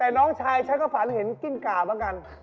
แต่น้องชายฉันก็ฝันเห็นกิ้งก่าเหมือนกัน